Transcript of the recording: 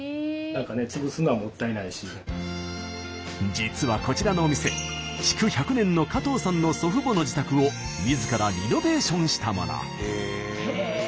実はこちらのお店築１００年の加藤さんの祖父母の自宅をみずからリノベーションしたもの。